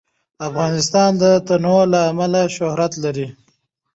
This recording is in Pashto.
افغانستان د تنوع له امله شهرت لري.